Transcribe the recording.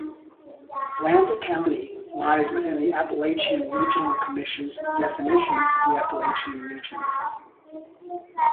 Bland County lies within the Appalachian Regional Commission's definition of the Appalachian region.